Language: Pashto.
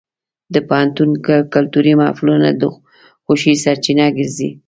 د پوهنتون کلتوري محفلونه د خوښۍ سرچینه ګرځي.